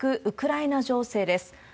ウクライナ情勢です。